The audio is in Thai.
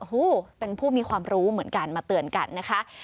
หูเป็นผู้มีความรู้เหมือนกันมาเตือนกันนะคะ